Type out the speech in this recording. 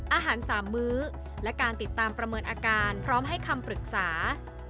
อาหารสามมื้อและการติดตามประเมินอาการพร้อมให้คำปรึกษา